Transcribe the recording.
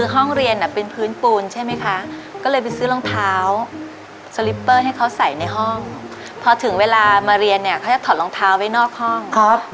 หรือว่าเราหลับ